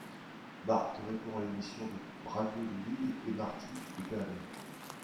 Bart répond à l'émission de radio de Bill et Marty et gagne.